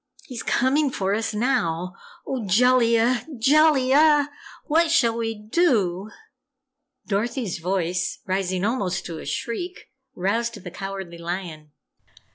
He's coming for us now! Oh, Jellia, JELLIA what shall we DO?" Dorothy's voice, rising almost to a shriek, roused the Cowardly Lion.